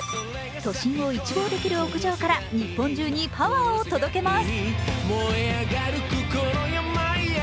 都心を一望できる屋上から日本中にパワーを届けます。